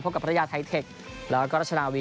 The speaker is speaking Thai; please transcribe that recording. กับภรรยาไทเทคแล้วก็รัชนาวี